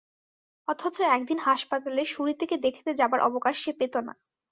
অথচ একদিন হাসপাতালে সুরীতিকে দেখতে যাবার অবকাশ সে পেত না।